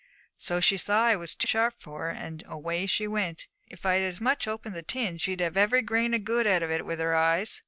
So she saw I was too sharp for her, and away she went. If I'd as much as opened the tin, she'd have had every grain of good out of it with her eyes.'